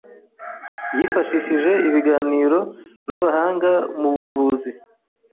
yifashishije ibiganiro n'abahanga mu buvuzi